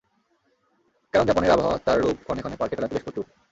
কারণ জাপানের আবহাওয়া তার রূপ ক্ষণে ক্ষণে পাল্টে ফেলতে বেশ পটু।